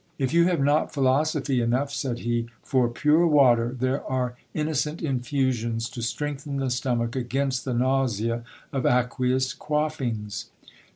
If you have not philosophy enough, said he, for pure water, there are innocent infusions to strengthen the stomach against the nausea of aqueous quaffings.